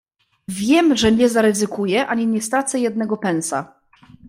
"Wiem, że nie zaryzykuję ani nie stracę jednego pensa."